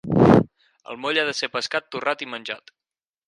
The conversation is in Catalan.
El moll ha de ser pescat, torrat i menjat.